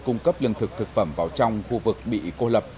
để đưa cung cấp lương thực thực phẩm vào trong khu vực bị cô lập